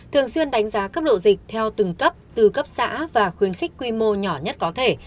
thường xuyên đánh giá cấp độ dịch theo từng cấp từ cấp xã và khuyến khích quy mô nhỏ nhất có thể